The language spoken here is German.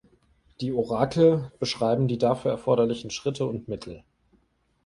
Die Orakel beschreiben die dafür erforderlichen Schritte und Mittel.